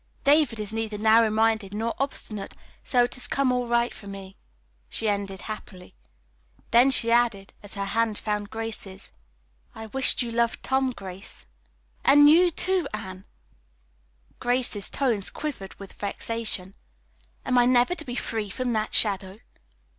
David is neither narrow minded nor obstinate, so it has all come right for me," she ended happily. Then she added, as her hand found Grace's. "I wish you loved Tom, Grace." "And you, too, Anne!" Grace's tones quivered with vexation. "Am I never to be free from that shadow?"